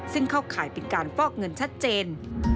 ซึ่งเข้าข่ายเป็นการฟอกเงินชัดเจน